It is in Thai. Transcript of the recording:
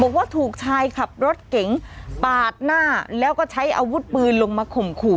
บอกว่าถูกชายขับรถเก๋งปาดหน้าแล้วก็ใช้อาวุธปืนลงมาข่มขู่